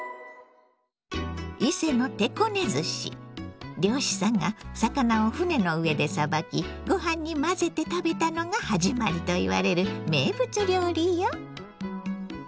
伊勢の漁師さんが魚を船の上でさばきご飯に混ぜて食べたのが始まりといわれる名物料理よ。